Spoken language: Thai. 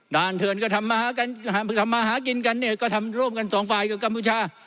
เถินก็ทำมาหากินกันเนี่ยก็ทำร่วมกันสองฝ่ายกับกัมพูชา